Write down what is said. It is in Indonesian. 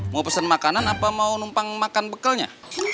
mau pesen makanan apa mau numpang makan bekalnya